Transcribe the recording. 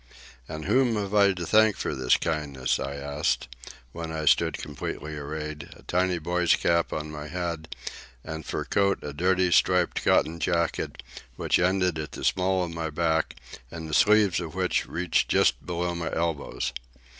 "And whom have I to thank for this kindness?" I asked, when I stood completely arrayed, a tiny boy's cap on my head, and for coat a dirty, striped cotton jacket which ended at the small of my back and the sleeves of which reached just below my elbows.